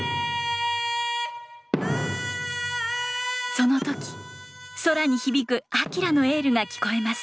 その時空に響くあきらのエールが聞こえます。